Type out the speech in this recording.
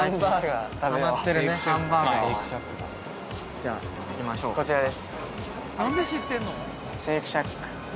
じゃあ行きましょうこちらです